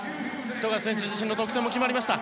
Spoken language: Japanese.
富樫選手自身の得点も決まりました。